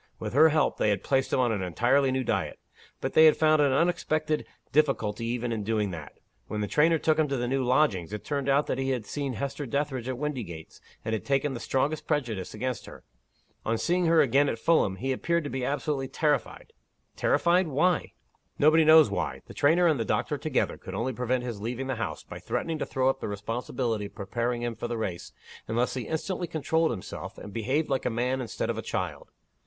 With her help, they had placed him on an entirely new diet. But they had found an unexpected difficulty even in doing that. When the trainer took him to the new lodgings, it turned out that he had seen Hester Dethridge at Windygates, and had taken the strongest prejudice against her. On seeing her again at Fulham, he appeared to be absolutely terrified." "Terrified? Why?" "Nobody knows why. The trainer and the doctor together could only prevent his leaving the house, by threatening to throw up the responsibility of preparing him for the race, unless he instantly controlled himself, and behaved like a man instead of a child.